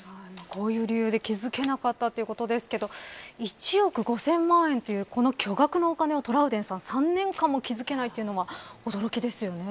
こういう理由で気付けなかったということですが１億５０００万円という巨額のお金を、トラウデンさん３年間も気付けないというのは驚きですよね。